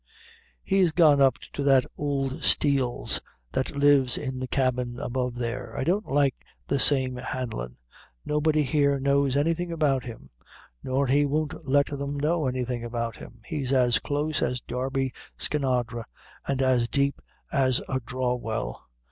"He's gone up to that ould streele's, that lives in the cabin above there. I don't like the same Hanlon; nobody here knows anything about him, nor he won't let them know anything about him. He's as close as Darby Skinadre, and as deep as a dhraw well.